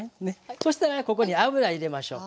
そしたらここに油入れましょう。